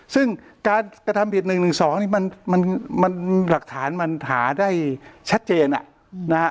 ซึ่งการกระทำผิด๑๑๒หลักฐานมันหาได้ชัดเจน